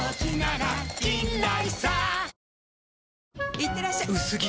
いってらっしゃ薄着！